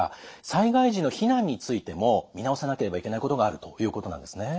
災害時の避難についても見直さなければいけないことがあるということなんですね。